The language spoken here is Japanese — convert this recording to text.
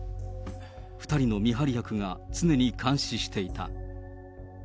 ２人の見張り役が常に監視していた。